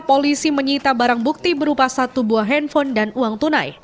polisi menyita barang bukti berupa satu buah handphone dan uang tunai